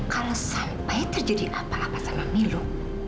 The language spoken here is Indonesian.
kalau sampai terjadi apa apa sama milu